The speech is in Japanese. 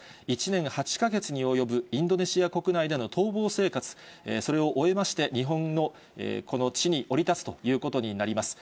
１年８か月に及ぶインドネシア国内での逃亡生活、それを終えまして、日本のこの地に降り立つということになります。